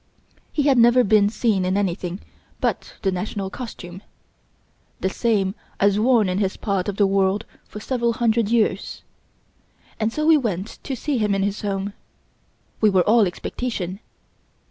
He had never been seen in anything but the national costume, the same as worn in his part of the world for several hundred years. And so we went to see him in his home. We were all expectation!